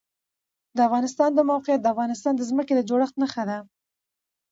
د افغانستان د موقعیت د افغانستان د ځمکې د جوړښت نښه ده.